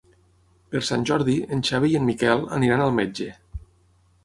Per Sant Jordi en Xavi i en Miquel aniran al metge.